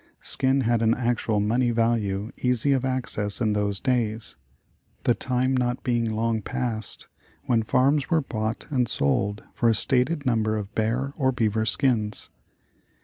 Skins had an actual money value easy of access in those days, the time not being long past, when farms were bought and sold for a stated number of bear or beaver skins.